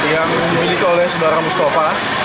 yang dimiliki oleh saudara mustafa